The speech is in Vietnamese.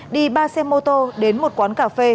đi ba xe mô tô đến một quán cà phê